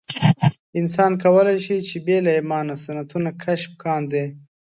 انسان کولای شي چې بې له ایمانه سنتونه کشف کاندي.